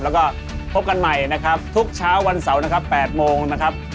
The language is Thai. แล้วก็พบกันใหม่ทุกเช้าวันเสาร์๘โมงนะครับ